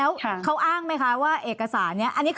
เป็นตำรวจพูดซะเป็นส่วนใหญ่หรือว่าเป็นผู้ชายที่มาทีหลังค่ะ